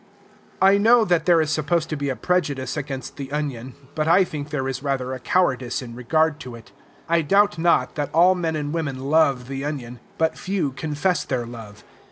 I know that there is supposed to be a prejudice against the onion; but I think there is rather a cowardice in regard to it. I doubt not that all men and women love the onion; but few confess their love.